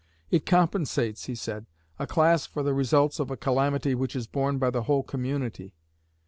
"It compensates," he said, "a class for the results of a calamity which is borne by the whole community.